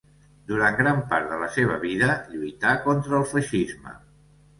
Durant gran part de la seva vida lluità contra el feixisme.